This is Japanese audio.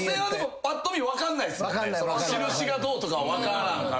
印がどうとか分からんから。